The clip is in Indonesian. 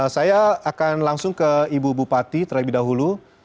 saya akan langsung ke ibu bupati terlebih dahulu